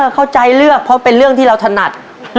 เข้าใจเลือกเพราะเป็นเรื่องที่เราถนัด